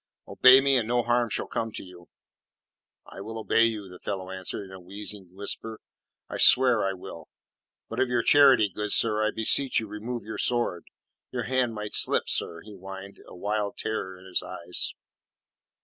Obey me, and no harm shall come to you." "I will obey you," the fellow answered, in a wheezing whisper. "I swear I will. But of your charity, good sir, I beseech you remove your sword. Your hand might slip, sir," he whined, a wild terror in his eyes.